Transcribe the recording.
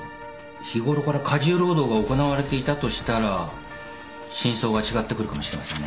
日頃から過重労働が行われていたとしたら真相が違ってくるかもしれませんね。